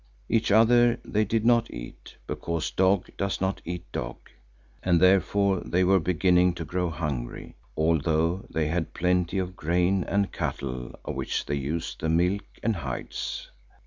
Each other they did not eat, because dog does not eat dog, and therefore they were beginning to grow hungry, although they had plenty of grain and cattle of which they used the milk and hides.